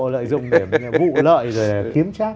lợi dụng để vụ lợi rồi kiếm trác